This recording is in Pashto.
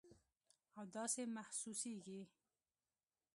او داسې محسوسیږي